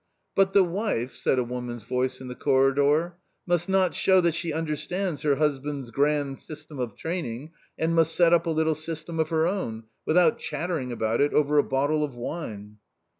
" But the wife," said a woman's voice in the corridor, i " must not show that she understands her husband's grand •. system of training and must set up a little system of her , own, without chattering about it over a bottle of wine."